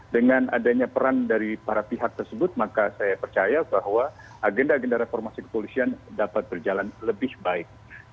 dengan adanya peran dari para pihak tersebut maka saya percaya bahwa agenda agenda reformasi kepolisian dapat berjalan lebih baik